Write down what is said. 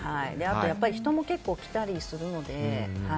あと人も結構来たりするので。